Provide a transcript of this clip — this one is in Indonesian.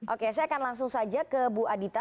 oke saya akan langsung saja ke ibu adhita